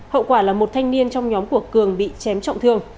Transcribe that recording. hậu quả là một thanh niên trong nhóm của cường bị chém trọng thương